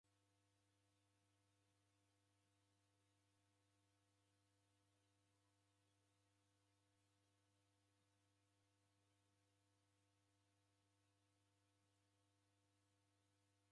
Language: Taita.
Nikizoya malagho gherekoghe ghiboie nicha putu.